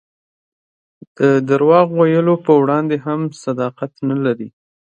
د درواغ ویلو په وړاندې هم صداقت نه لري.